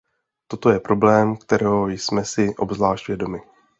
Toto je problém, kterého jsme si obzvlášť vědomi.